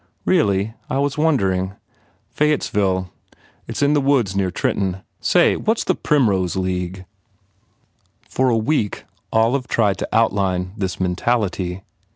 "Really? I was wondering." "Fayettesville. It s up in the woods behind Trenton. Say, what s the Primrose League?" For a week Olive tried to outline this mentality.